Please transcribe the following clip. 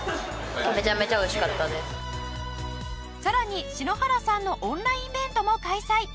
さらに篠原さんのオンラインイベントも開催。